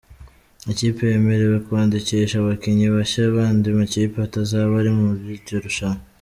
Ikipe yemerewe kwandikisha abakinnyi bashya b'andi makipe atazaba ari muri iryo rushanwa.